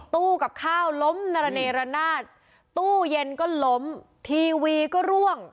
ตู้กับข้าวล้มตู้เย็นก็ล้มทีวีก็ร่วง